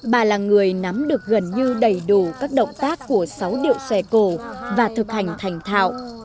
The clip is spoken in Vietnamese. bà là người nắm được gần như đầy đủ các động tác của sáu điệu xòe cổ và thực hành thành thạo